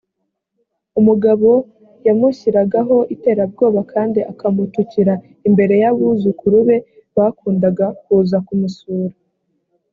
umugabo yamushyiragaho iterabwoba kandi akamutukira imbere y’abuzukuru be bakundaga kuza kumusura